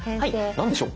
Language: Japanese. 何でしょう？